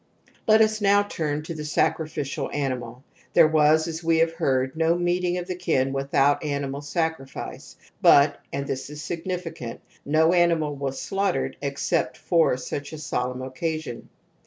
Let us now turn to the sacrificial animal. There was, as we have heard, no meeting of the kin without animal sacrifice, but, and this is significant, no animal was slaughtered except for such a solemn occasion.